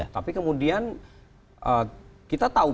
tapi kemudian kita tahu pemerintah siapa yang melakukan